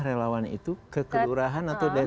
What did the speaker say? relawan itu ke kelurahan atau dari